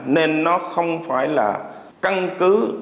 nên nó không phải là căn cứ